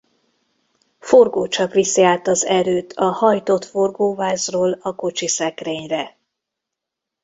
Forgócsap viszi át az erőt a hajtott forgóvázról a kocsiszekrényre.